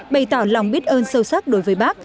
bày tỏ lòng biết ơn sâu sắc đối với bác